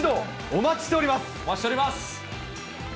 お待ちしております！